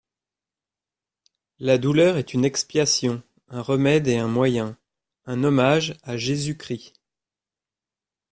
La douleur est une expiation, un remède et un moyen, un hommage à Jésus-Christ.